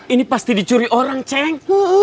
ini pasti dicuri orang ceng